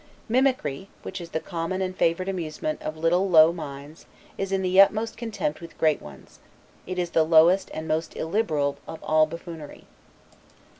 Mimicry, which is the common and favorite amusement of little low minds, is in the utmost contempt with great ones. It is the lowest and most illiberal of all buffoonery.